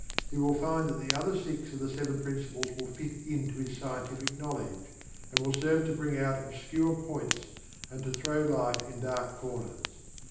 He will find that the other six of the Seven Principles will "fit into" his scientific knowledge, and will serve to bring out obscure points and to throw light in dark corners.